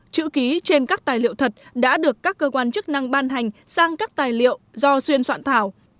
chữ ký trên các tài liệu thật đã được các cơ quan chức năng ban hành sang các tài liệu do xuyên soạn thảo